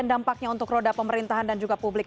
apa kan dampaknya untuk roda pemerintahan dan juga publik